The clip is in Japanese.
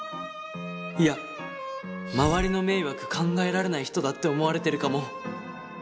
いや周りの迷惑考えられない人だって思われてるかも。